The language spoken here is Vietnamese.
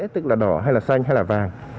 tức là đỏ hay là xanh hay là vàng